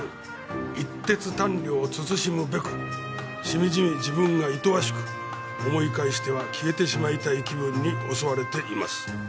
一徹短慮を慎むべくしみじみ自分が厭わしく思い返しては消えてしまいたい気分に襲われています」